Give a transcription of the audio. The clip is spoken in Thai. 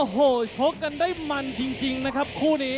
โอ้โหชกกันได้มันจริงนะครับคู่นี้